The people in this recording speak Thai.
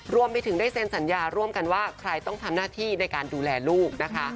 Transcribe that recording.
รวมไปถึงได้เซ็นสัญญาร่วมกันว่าใครต้องทำหน้าที่ในการดูแลลูกนะคะ